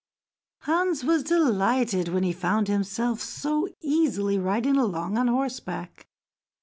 '" Hans was delighted when he found himself so easily riding along on horseback.